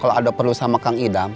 kalau ada perlu sama kang idam